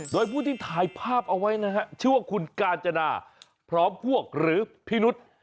โดยผู้ที่ถ่ายภาพเอาไว้นะฮะชื่อว่าคุณกาญจนาพร้อมพวกหรือพี่นุษย์